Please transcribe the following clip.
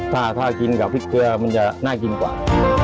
ถ้ากินกับพริกเกลือมันจะน่ากินกว่า